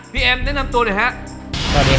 พี่เอ็มแนะนำโตนอย่างไร